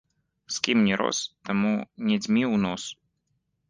З кім не рос, таму не дзьмі ў нос.